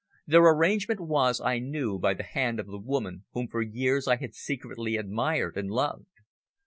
Their arrangement was, I knew, by the hand of the woman whom for years I had secretly admired and loved.